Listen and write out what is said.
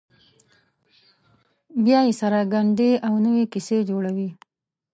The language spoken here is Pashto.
بیا یې سره ګنډي او نوې کیسې جوړوي.